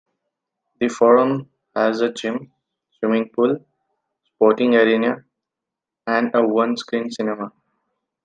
The forum has a gym, swimming-pool, sporting arena and a one screen cinema.